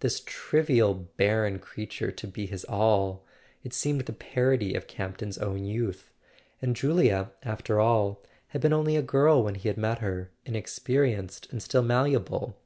This trivial barren crea¬ ture to be his all—it seemed the parody of Campton's own youth! And Julia, after all, had been only a girl when he had met her, inexperienced and still malle¬ able.